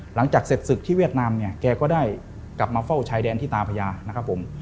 หลังจากเสร็จศึกที่เวียดนามเนี่ยแกก็ได้กลับมาเฝ้าชายแดนที่ตาพญานะครับผม